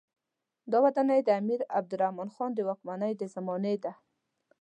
دا ودانۍ د امیر عبدالرحمن خان د واکمنۍ د زمانې ده.